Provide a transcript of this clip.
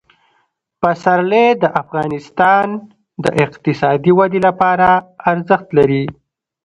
پسرلی د افغانستان د اقتصادي ودې لپاره ارزښت لري.